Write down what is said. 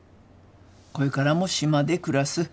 これからも島で暮らす。